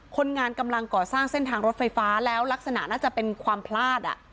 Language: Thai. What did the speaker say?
คนงานกำลังก่อสร้างเส้นทางรถไฟฟ้าแล้วลักษณะน่าจะเป็นความพลาดอ่ะ